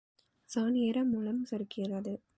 சாண் ஏற முழம் சறுக்கிறது.